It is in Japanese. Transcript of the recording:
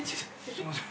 すみません。